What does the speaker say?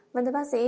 vâng thưa bác sĩ